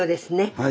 はい。